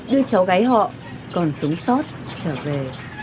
đưa cháu gái họ còn sống sót trở về